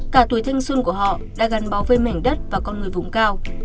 cả tuổi thanh xuân của họ đã gắn bó với mảnh đất và con người vùng cao